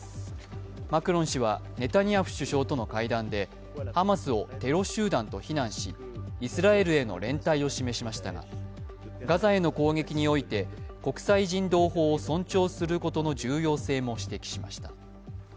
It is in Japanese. マクロン氏はネタニヤフ首相との会談でハマスをテロ集団と非難し、イスラエルへの連帯を示しましたが、ガザへの攻撃において国際人道法を尊重することの重要性も指摘しました。